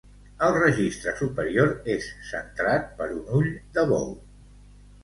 El registre superior és centrat per un ull de bou.